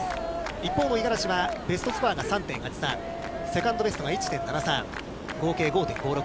一方の五十嵐はベストスコアが３．８３、セカンドベストが１．７３、合計５．５６。